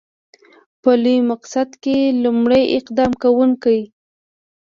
په لوی مقصد کې لومړی اقدام کوونکی.